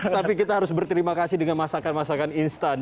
tapi kita harus berterima kasih dengan masakan masakan instan